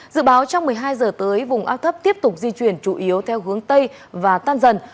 dự báo trong một mươi hai giờ tới vùng áp thấp tiếp tục di chuyển chủ yếu theo hướng tây và tan dần